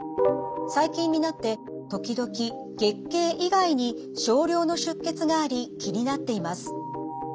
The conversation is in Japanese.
最近になって時々月経以外に少量の出血があり気になっています。